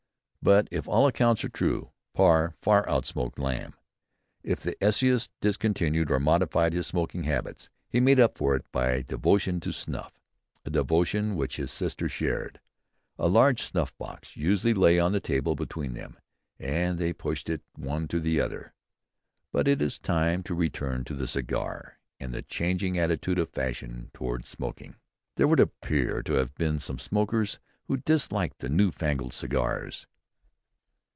But if all accounts are true, Parr far outsmoked Lamb. If the essayist discontinued or modified his smoking habits, he made up for it by devotion to snuff a devotion which his sister shared. A large snuff box usually lay on the table between them, and they pushed it one to the other. But it is time to return to the cigar, and the changing attitude of fashion towards smoking. There would appear to have been some smokers who disliked the new fangled cigars.